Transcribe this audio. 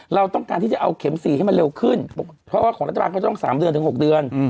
เราต้องการที่จะเอาเข็ม๔ให้มันเร็วขึ้นเพราะว่าของรัฐบาลเขาต้อง๓เดือนถึง๖เดือน